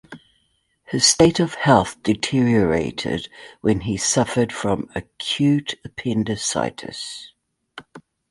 His state of health deteriorated when he suffered from acute appendicitis.